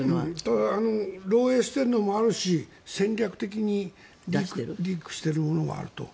ただ漏えいしているのもあるし戦略的にリークしているものもあると。